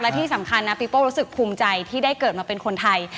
และที่สำคัญนะปีโป้รู้สึกภูมิใจที่ได้เกิดมาเป็นคนไทย